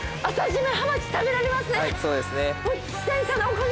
そうですね。